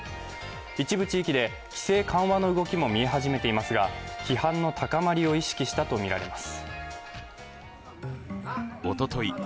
一部地域で規制緩和の動きも見え始めていますが批判の高まりを意識したとみられます。